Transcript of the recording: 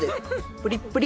プリップリ！